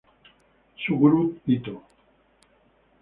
Suguru Ito